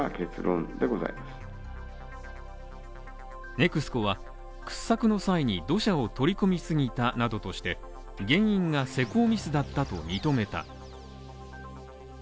ＮＥＸＣＯは、掘削の際に土砂を取り込み過ぎたなどとして、原因が施工ミスだったと認めた。